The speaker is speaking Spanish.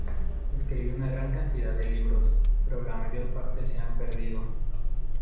Escribió una gran cantidad de libros, pero la mayor parte se han perdido.